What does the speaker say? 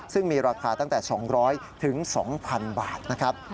ซึ่งมีราคาตั้งแต่๒๐๐๒๐๐๐บาทนะครับ